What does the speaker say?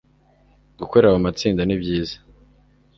Gukorera mu matsinda nibyiza